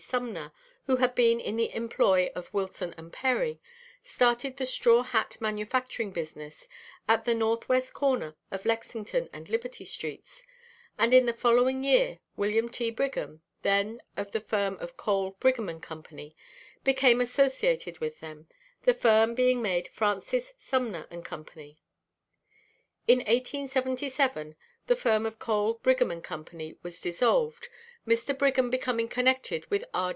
Sumner, who had been in the employ of Wilson & Perry, started the straw hat manufacturing business at the N. W. corner of Lexington and Liberty streets, and in the following year Wm. T. Brigham (then of the firm of Cole, Brigham & Co.) became associated with them, the firm being made Francis, Sumner & Co. In 1877 the firm of Cole, Brigham & Co. was dissolved, Mr. Brigham becoming connected with R.